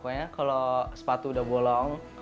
pokoknya kalau sepatu udah bolong